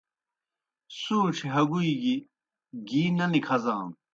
سُوݩڇھیْ ہگُوئی گیْ گی نہ نکھزانوْ